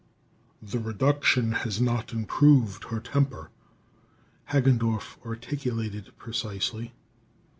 "The reduction has not improved her temper," Hagendorff articulated precisely.